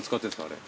あれ。